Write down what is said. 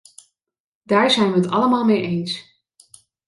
Daar zijn wij het allemaal mee eens.